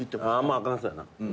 あかんそうやな。